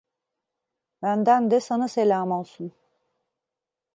Benden de sana selam olsun…